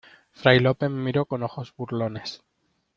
fray Lope me miró con ojos burlones: